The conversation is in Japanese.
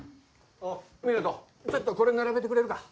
おっ湊人ちょっとこれ並べてくれるか？